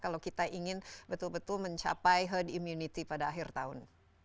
kalau kita ingin betul betul mencapai herd immunity pada akhir tahun